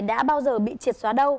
đã bao giờ bị triệt xóa đâu